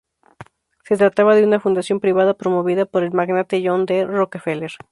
Se trataba de un fundación privada promovida por el magnate John D. Rockefeller.